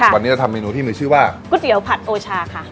วันนี้เราทำเมนูที่มีชื่อว่าก๋วยเตี๋ยวผัดโอชาค่ะ